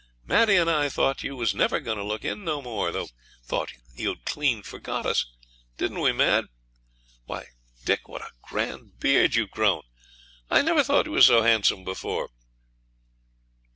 Maddie and I thought you was never going to look in no more. Thought you'd clean forgot us didn't we, Mad? Why, Dick, what a grand beard you've grown! I never thought you was so handsome before!'